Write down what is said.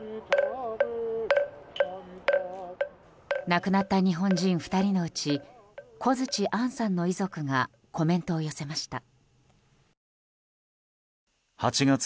亡くなった日本人２人のうち小槌杏さんの遺族がコメントを寄せました。